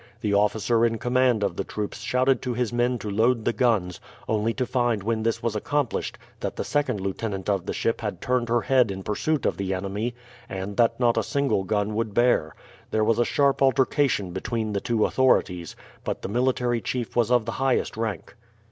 The officer in command of the troops shouted to his men to load the guns, only to find when this was accomplished that the second lieutenant of the ship had turned her head in pursuit of the enemy, and that not a single gun would bear. There was a sharp altercation between the two authorities, but the military chief was of the highest rank.